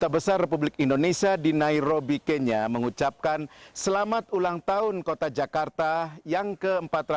besar republik indonesia di nairobi kenya mengucapkan selamat ulang tahun kota jakarta yang ke empat ratus sembilan puluh